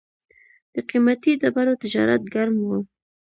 د قیمتي ډبرو تجارت ګرم و